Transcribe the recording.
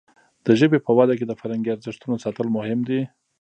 د ژبې په وده کې د فرهنګي ارزښتونو ساتل مهم دي.